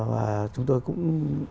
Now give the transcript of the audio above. và chúng tôi cũng